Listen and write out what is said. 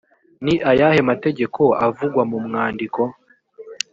ni ayahe mategeko avugwa mu mwandiko